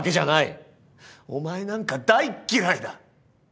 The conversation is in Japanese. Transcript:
お前なんか大っ嫌いだ！